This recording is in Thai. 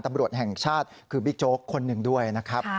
ตำรวจแห่งชาติคือบิ๊กโจ๊กคนหนึ่งด้วยนะครับ